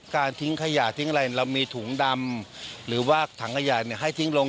ทิ้งขยะทิ้งอะไรเรามีถุงดำหรือว่าถังขยะให้ทิ้งลง